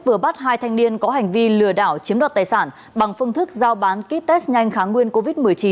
vừa bắt hai thanh niên có hành vi lừa đảo chiếm đoạt tài sản bằng phương thức giao bán ký test nhanh kháng nguyên covid một mươi chín